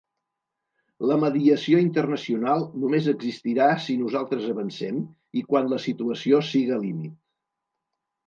La mediació internacional només existirà si nosaltres avancem i quan la situació siga límit.